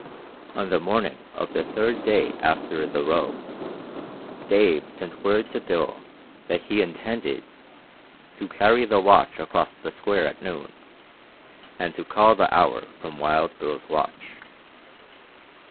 On the morning of the third day after the row, Dave sent word to Bill that he intended "to carry the watch across the square at noon, and to call the hour from Wild Bill's watch."